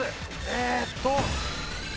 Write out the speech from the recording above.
えーっと。